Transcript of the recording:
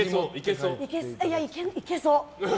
いけそう！